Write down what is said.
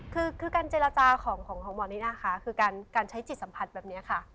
คือการเจรจาของหมอนี่นะคะคือการใช้จิตสัมผัสแบบนี้ค่ะ